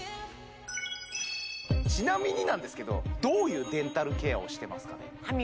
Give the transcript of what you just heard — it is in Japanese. ちなみになんですけどどういうデンタルケアをしてますかね